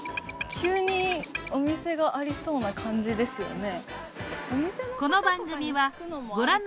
急にお店がありそうな感じですよね。